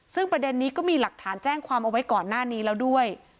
ซึ่งประเด็นนี้ก็มีหลักฐานแจ้งความเอาไว้ก่อนหน้านี้แล้วด้วย